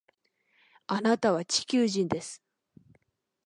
あなたは地球人です